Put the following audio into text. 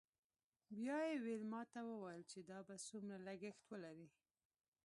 بیا یې ویلما ته وویل چې دا به څومره لګښت ولري